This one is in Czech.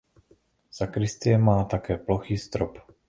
Sakristie má také plochý strop.